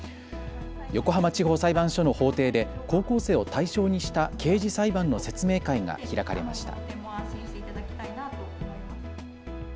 横浜地方裁判所の法廷で高校生を対象にした刑事裁判の説明会が開かれました。